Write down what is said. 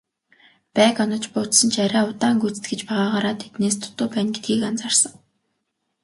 Байг онож буудсан ч арай удаан гүйцэтгэж байгаагаараа тэднээс дутуу байна гэдгийг анзаарсан.